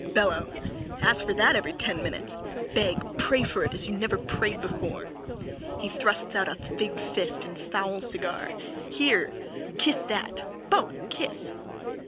BELLO: Ask for that every ten minutes. Beg. Pray for it as you never prayed before. (He thrusts out a figged fist and foul cigar.) Here, kiss that. Both. Kiss.